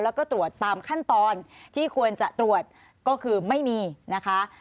แล้วก็ตรวจตามขั้นตอนที่ควรจะตรวจก็คือไม่มีนะคะ